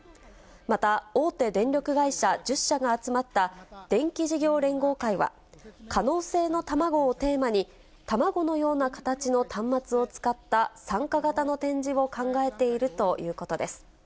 また大手電力会社１０社が集まった電気事業連合会は、可能性のタマゴをテーマに、卵のような形の端末を使った参加型の展示を考えているということです。